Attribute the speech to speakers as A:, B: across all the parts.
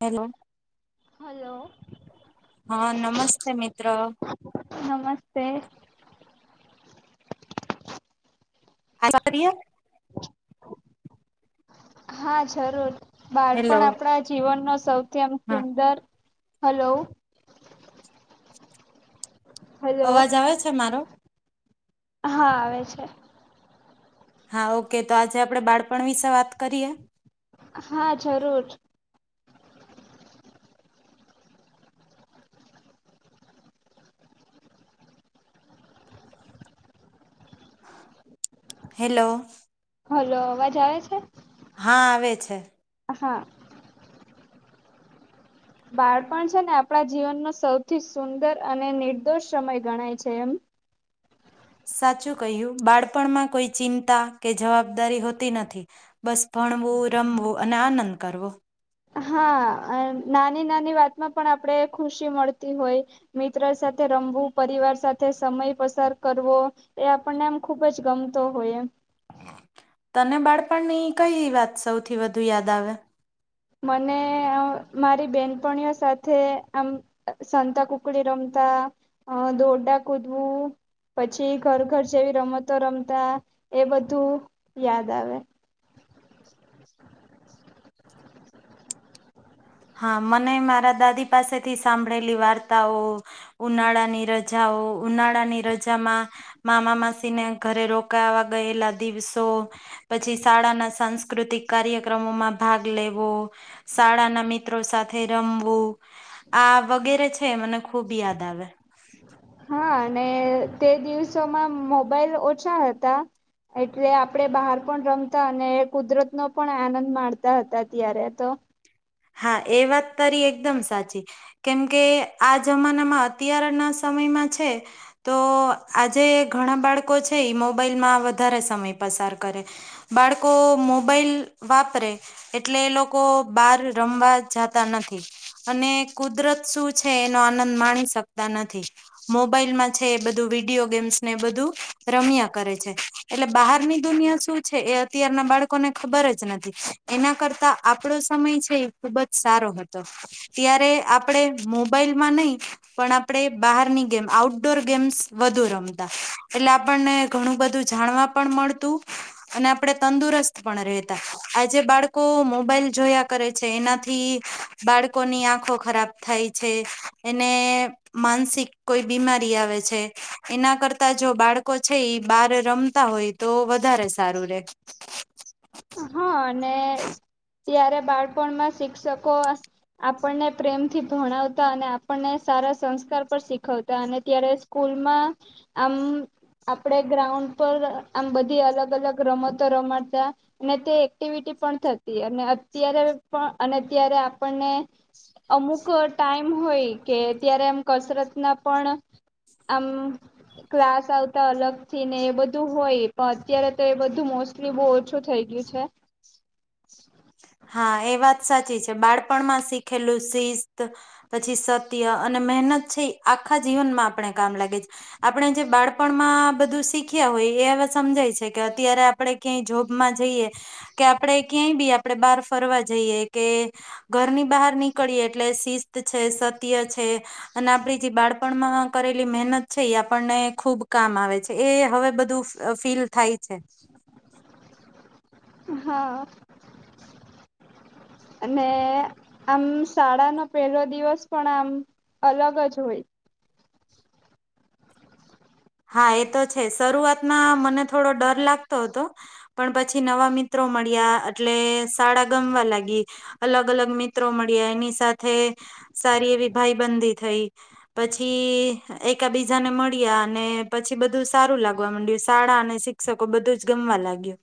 A: Hello.
B: Hello.
A: હા, નમસ્તે મિત્ર.
B: નમસ્તે.
A: હલો [unintelligible] ય
B: હા, જરૂર.
A: હેલો
B: બાળપણ આપણા જીવનનો સૌથી અને
A: હા
B: સુંદર હલો. હલો.
A: અવાજ આવે છે મારો?
B: હા, આવે છે.
A: હા, ઓકે તો આજે આપણે બાળપણ વિશે વાત કરીએ.
B: હા જરૂર
A: હેલો
B: હલો અવાજ આવે છે
A: હા આવે છે
B: હા બાળપણ છે ને આપણા જીવનનો સૌથી સુંદર અને નિર્દોષ સમય ગણાય છે એમ
A: સાચું કહ્યું બાળપણમાં કોઈ ચિંતા કે જવાબદારી હોતી નથી બસ ભણવું રમવું અને આનંદ કરવો
B: હા નાની નાની વાતમાં પણ આપણેે ખુશી મળતી હોય મિત્ર સાથે રમવું પરિવાર સાથે સમય પસાર કરવો એ આપણને એમ ખુબ જ ગમતો હોય એમ
A: તને બાળપણની કઈ વાત સૌથી વધુ યાદ આવે
B: મને આ મારી બેનપણીઓ સાથે આમ સંતા કુકડી રમતા અ દોરડા કૂદવું પછી ઘર ઘર જેવી રમતો રમતા એ બધું યાદ આવે
A: હા મને મારા દાદી પાસેથી સાંભળેલી વાર્તાઓ ઉનાળાની રજાઓ ઉનાળા ની રજામાં મામા માસી ને ઘરે રોકાવા ગયેલા દિવસો પછી શાળાના સાંસ્કૃતિક કાર્યક્રમોમાં ભાગ લેવો શાળાના મી ત્રો સાથે રમવું આ વગેરે છે મને ખુબ યાદ આવે
B: હા અને તે દિવસોમાં મોબાઈલ ઓછા હતા એટલે આપણે બહાર પણ રમતા અને કુદરતનો પણ આનંદ માણતા હતા ત્યારે તો
A: હા એ વાત તારી એકદમ સાચી કેમકે આ જમાનામાં અત્યારના સમયમાં છે તો આજે ઘણા બાળકો છે મોબાઈલ માં વધારે સમય પસાર કરે બાળકો મોબાઈલ વાપરે એટલે એ લોકો બાર રમવા જાતા નથી અને કુદરત શું છે એનો આનંદ માણી શકતા નથી મોબાઈલમાં છે એ બધું વિડિયો ગેમ્સને બધું રમ્યા કરે છે એટલે બહારની દુનિયા શું છે એ અત્યારના બાળકોને ખબર જ નથી એના કરતા આપણો સમય છે ખુબ જ સારો હતો ત્યારે આપડે મોબાઈલ માં નહી પણ આપણેે બહાર ની ગેમ આઉટડોર ગેમ્સ વધુ રમતા એટલે આપણને ઘણું બધું જાણવા પણ મળતું અને આપડે તંદુરસ્ત પણ રહેતા આજે બાળકો મોબાઈલ જોયા કરે છે એનાથી બાળકોની આંખો ખરાબ થાય છે એને માનસિક કોઈ બીમારી આવે છે એના કરતા જો બાળકો છે બાર રમતા હોય તો વધારે સારું રે
B: હા અને ત્યારે બાળપણમાં શિક્ષકો આપણને પ્રેમથી ભણાવતા અને આપણને સારા સંસ્કાર પર શીખવતા અને ત્યારે સ્કૂલમાં આમ આપડે ગ્રાઉન્ડ પર આમ બધી અલગ અલગ રમતો રમાડતા અને તે એક્ટિવિટી પણ થતી અને અત્યારે પણ અને અત્યારે આપણને અમુક ટાઈમ હોય કે અત્યારે એમ કસરતના પણ આમ ક્લાસ આવતા અલગથી ને એ બધું હોય પણ અત્યારે તો એ બધું મોસ્ટલી બહુ ઓછું થઈ ગ્યું છે
A: હા એ વાત સાચી છે બાળપણમાં શીખેલું શિસ્ત પછી સત્ય અને મહેનત છે આખા જીવનમાં આપણે કામ લાગે છે આપણે જે બાળપણમાં બધું શીખ્યા હોય એવા સમજાય છે કે અત્યારે આપણે ક્યાંય જોબમાં જઈએ કે આપણેે ક્યાંય બી આમ આપણે બહાર ફરવા જઈએ કે ઘરની બહાર નીકળીએ એટલે શિસ્ત છે સત્ય છે અને આપડી જે બાળપણમાં કરેલી મહેનત છે એ આપણને ખૂબ કામ આવે છે એ હવે બધું ફીલ થાય છે
B: હા અને આમ શાળાનો પેલો દિવસ પણ આમ અલગ જ હોય
A: હા એ તો છે શરૂઆતમાં મને થોડો ડર લાગતો હતો પણ પછી નવા મિત્રો મળ્યા એટલે શાળા ગમવા લાગી અલગ અલગ મિત્રો મળ્યા એની સાથે સારી એવી ભાઈબંધી થઈ પછી એકા બીજાને મળ્યા અને પછી બધું સારું લાગવા માંડ્યું શાળા અને શિક્ષકો બધું જ ગમવા લાગ્યું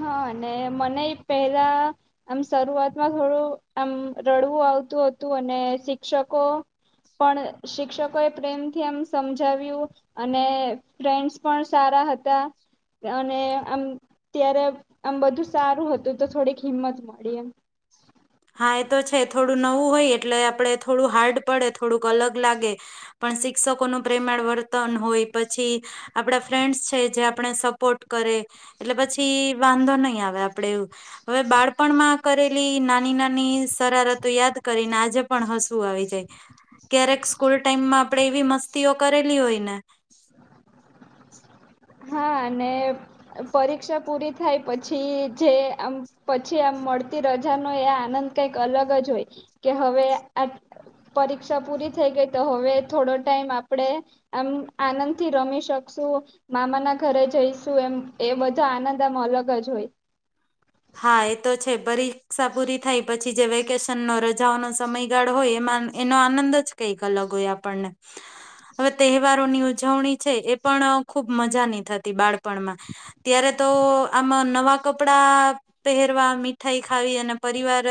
B: હા અને મને પહેલા આમ શરૂઆતમાં થોડું આમ રડવું આવતું હતું અને શિક્ષકો પણ શિક્ષકો એ પ્રેમથી આમ સમજાવ્યું અને ફ્રેન્ડ્સ પણ સારા હતા અને આમ ત્યારે આમ બધું સારું હતું તો થોડીક હિંમત મળી એમ
A: હા એ તો છે થોડું નવું હોય એટલે આપણે થોડું હાર્ડ પડે થોડુંક અલગ લાગે પણ શિક્ષકોનું પ્રેમાળ વર્તન હોય પછી આપડા ફ્રેન્ડ્સ છે જે આપણે સપોર્ટ કરે એટલે પછી વાંધો નહી આવે આપડે એવું હવે બાળપણમાં કરેલી ના ની નાની શારતો યાદ કરી આજે પણ હસું આવી જાય ક્યારેક સ્કૂલ ટાઈમમાં આપડે એવી મસ્તીઓ કરેલી હોય ને
B: હા અને પરીક્ષા પૂરી થાય પછી જે આમ પછી આમ મળતી રજાનો એ આનંદ કઈક અલગ જ હોય કે હવે આ પરીક્ષા પૂરી થઈ ગઈ તો હવે થોડો ટાઈમ આપણેે આમ આનંદથી રમી શકશું મામા ના ઘરે જઈશું એમ એ બધા આનંદ આમ અલગ જ હોય
A: હા એ તો છે પરીક્ષા પૂરી થાય પછી જે વેકેશનનો રજાઓનો સમયગાળ હોય એમાં એનો આનંદ જ કઈક અલગ હોય આપણને હવે તહેવારોની ઉજવણી છે એ પણ ખુબ મજાની થતી બાળપણમાં ત્યારે તો આમાં નવા કપડા પહેરવા મીઠાઈ ખાવી અને પરિવાર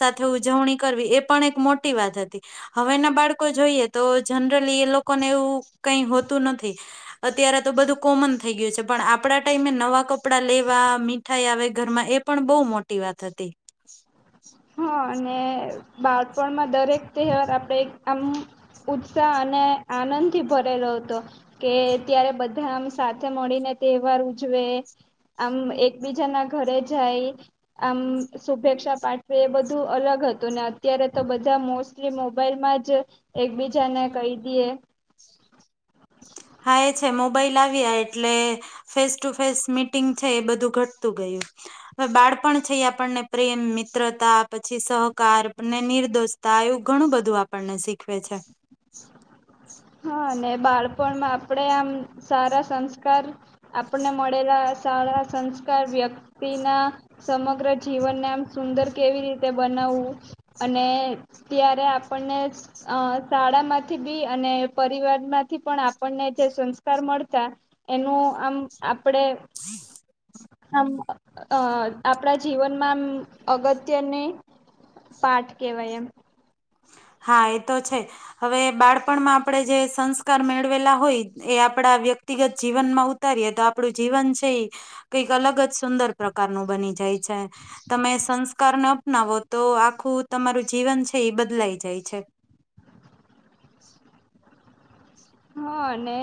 A: સાથે ઉજવણી કરવી એ પણ એક મોટી વાત હતી હવે ના બાળકો જોઈએ તો જનરલી એ લોકોને એવું કઈ હોતું નથી અત્યારે તો બધું કોમન થઈ ગયું છે પણ આપડા ટાઈમે નવા કપડાં લેવા મીઠાઈ આવે ઘરમાં એ પણ બહુ મોટી વાત હતી
B: હા અને બાળપણમાં દરેક તહેવાર આપડે આમ ઉત્સાહ અને આનંદ થી ભરેલો હતો કે ત્યારે બધા આમ સાથે મળીને તહેવાર ઉજવે આમ એકબીજાના ઘરે જાય આમ શુભેચ્છા પાઠ બધું અલગ હતું ને અત્યારે તો બધા મોસ્ટલી મોબાઈલમાં જ એકબીજાને કહી દઈએ
A: હા એ છે મોબાઈલ આવ્યા એટલે ફેસ ટુ ફેસ મીટિંગ છે એ બધું ઘટતું ગયું હવે બાળપણ છે આપણને પ્રેમ મિત્રતા પછી સહકારને નિર્દોષતા એવું ઘણું બધું આપણને શીખવે છે
B: હા અને બાળપણમાં આપણેે આમ સારા સંસ્કાર આપણને મળેલા સારા સંસ્કાર વ્યક્તિના સમગ્ર જીવનને આમ સુંદર કેવી રીતે બનાવવું અને ત્યારે આપણને શાળા અ માંથી બી અને પરિવારમાંથી પણ આપણને જે સંસ્કાર મળતા એનું આમ આપડે
A: [inaudible]
B: આમ અ આપણા જીવનમાં આમ અગત્યની પાઠ કેવાય એમ
A: હા એ તો છે હવે બાળપણમાં આપણેે જે સંસ્કાર મેળવેલા હોય એ આપડા વ્યક્તિગત જીવનમાં ઉતારીએ તો આપડું જીવન છે એ કઈક અલગ જ સુંદર પ્રકારનું બની જાય છે તમે સંસ્કારને અપનાવો તો આખું તમારું જીવન છે એ બદલાય જાય છે
B: હા અને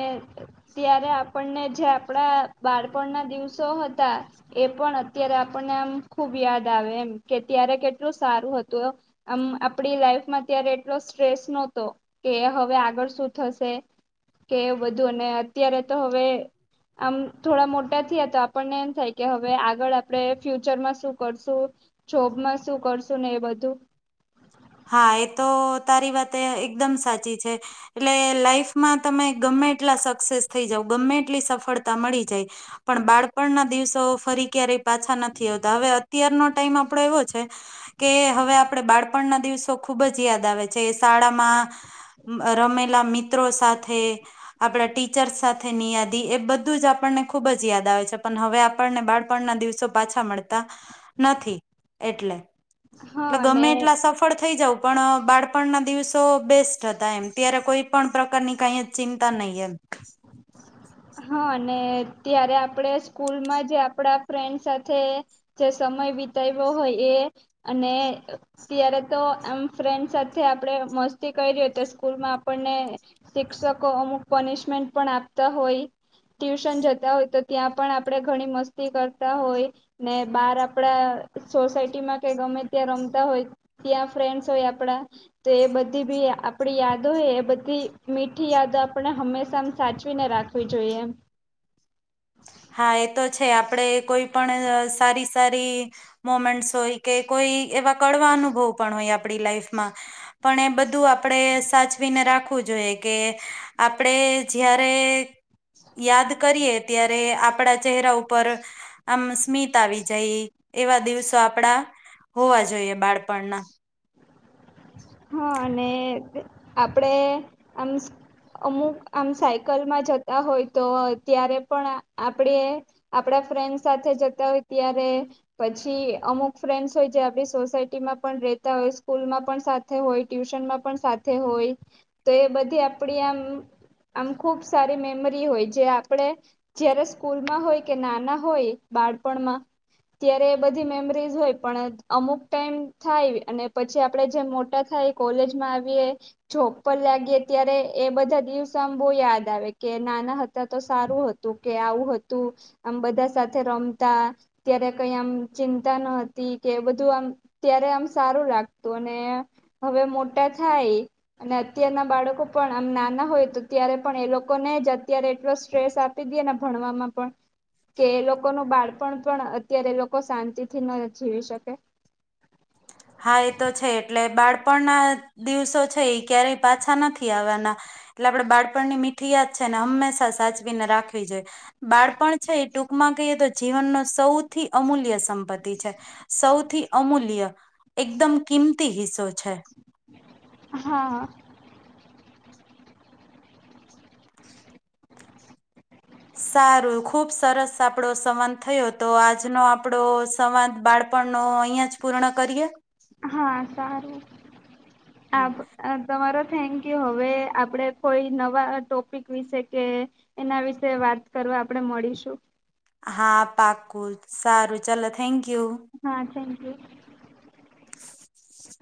B: ત્યારે આપણને જે આપડા બાળપણ ના દિવસો હ તા એ પણ અત્યારે આપણને આમ ખુબ યાદ આવે એમ કે ત્યારે કેટલું સારું હતું આમ આપડી લાઈફમાં ત્યારે એટલો સ્ટ્રેસ નતો કે હવે આગળ શું થશે કે એ બધું અને અત્યારે તો હવે આમ થોડા મોટા થયા તો આપણને એમ થાય કે હવે આગળ આપણે ફ્યુચરમાં શું કરશું જોબમાં શું કરશું ને એ બધું
A: હા એ તો તારી વાત એકદમ સાચી છે એટલે લાઈફમાં તમે ગમે એટલા સક્સેસ થઈ જાવ ગમે એટલી સફળતા મળી જાય પણ બાળપણના દિવસો ફરી ક્યારેય પાછા નથી આવતા હવે અત્યારનો ટાઈમ આપડો એવો છે કે હવે આપણે બાળપણના દિવસો ખૂબ જ યાદ આવે છે શાળામાં રમેલા મિત્રો સાથે આપડા ટીચર્સ સાથેની યાદી એ બધું જ આપણને ખુબ જ યાદ આવે છે પણ હવે આપણને બાળપણના દિવસો પાછા મળતા નથી એટલે.
B: હા
A: એટલે ગમે
B: અને
A: એટલા સફ પણ બાળપણના દિવસો બેસ્ટ હતા એમ ત્યારે કોઈ પણ પ્રકારની કઈ ચિંતા નહી એમ.
B: હા અને ત્યારે આપણે સ્કૂલમાં જે આપડા ફ્રેન્ડ સાથે જે સમય વિતાવ્યો હોય એ અને ત્યારે તો આમ ફ્રેન્ડ સાથે આપણે મસ્તી કરી હોય તો સ્કૂલમાં આપણને શિક્ષકો અમુક પનિશમેન્ટ પણ આપતા હોય. ટ્યુશન જતા હોય તો ત્યાં પણ આપણેે ઘણી મસ્તી કરતા હોય ને બાર આપડા સોસાયટીમાં કે ગમે ત્યાં રમતા હોય ત્યાં ફ્રેન્ડસ હોય આપડા તો એ બધી બી આપડી યાદો હોય એ બધી મીઠી યાદો આપણે હંમેશા સાચવીને રાખી વી જોઈએ
A: હા એ તો છે આપડે કોઈ પણ સારી સારી મોમેન્ટસ હોય કે કોઈ એવા કડવા અનુભવ પણ હોય આપણી લાઈફમાં પણ એ બધું આપણે સાચવીને રાખવું જોઈએ કે આપણેે જ્યારે યાદ કરીએ ત્યારે આપડા ચહેરા ઉપર આમ સ્મિત આવી જાય એવા દિવસો આપડા હોવા જોઈએ બાળપણના.
B: હા અને આપડે આમ અમુક આમ સાયકલમાં જતા હોય તો ત્યારે પણ આપડે આપડા ફ્રેન્ડ સાથે જતા હોય ત્યારે પછી અમુક ફ્રેન્ડસ હોય જે આપણી સોસાયટીમાં પણ રહેતા હોય સ્કૂલમાં પણ સા હોય ટ્યુશનમાં પણ સાથે હોય તો એ બધી આપણી આમ આમ ખુબ સારી મેમરી હોય જે આપણે જયારે સ્કૂલમાં હોય કે નાના હોય બાળપણમાં ત્યારે એ બધી મેમરી હોય પણ અમુક ટાઈમ થાય અને પછી આપણે જેમ મોટ થાય કોલેજમાં આવીએ જોપ પર લાગીએ ત્યારે એ બધા દિવસ બહુ યાદ આવે કે નાના હતા તો સારું હતું. તું કે આવું હતું. આમ બધા સાથે રમતા ત્યારે કઈ આમ ચિંતા ન હતી કે બધું આમ ત્યારે આમ સારું રાખતું અને હવે મોટા થાય અને અત્યારના બાળકો પણ આમ નાના હોય તો ત્યારે પણ એ લોકોને જ અત્યારે એટલો સ્ટ્રેસ આપી દેને ભણવામાં પણ કે એ લોકોનું બાળપણ પણ અત્યારે એ લોકો શાંતિ થી ન જીવી શકે.
A: હા એ તો છે એટલે બાળપણના દિવસો છે એ ક્યારેય પાછા નથી આવવાના એટલે આપણે બાળપણની મીઠી યાદ છે ને હંમેશા સાચવીને રાખવી જોઈએ બાળપણ છે એ ટૂંકમાં કહીએ તો જીવનનો સૌથી અમૂલ્ય સંપત્તિ છે સૌથી અમૂલ્ય. એકદમ કિંમતી હિસ્સો છે.
B: હા.
A: સારું ખુબ સરસ આપણો સંવાદ થયો તો આજનો આપણો સંવાદ બાળપણનો અહીયાં જ પૂર્ણ કરીએ.
B: હા સારું
A: હમ.
B: આ તમારા થેન્ક યુ હવે આપડે કોઈ નવા ટોપિક વિશે કે એના વિશે વાત કરવા આપણેે મળીશું-
A: હા પાકું સારું ચાલ થેન્ક યુ.
B: હા થેન્ક્
A: [inaudible]